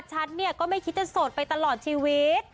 ฉันเนี่ยก็ไม่คิดจะโสดไปตลอดชีวิต